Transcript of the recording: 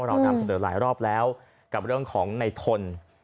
เรานำเสนอหลายรอบแล้วกับเรื่องของในทน